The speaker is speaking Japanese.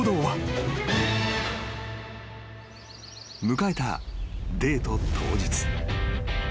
［迎えたデート当日］